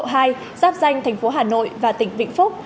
giáp danh thành phố hà nội và tỉnh vĩnh phúc